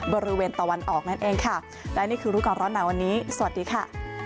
บริเวณตะวันออกนั่นเองค่ะและนี่คือรู้ก่อนร้อนหนาวันนี้สวัสดีค่ะ